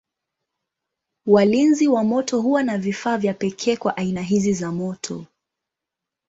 Walinzi wa moto huwa na vifaa vya pekee kwa aina hizi za moto.